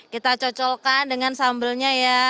kita cocokkan dengan sambalnya ya